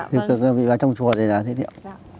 thì cực gần bị vào trong chùa này là thế điệu